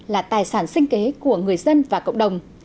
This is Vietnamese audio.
là tài sản sinh kế của người dân và cộng đồng